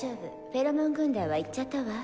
フェロモン軍団は行っちゃったわ」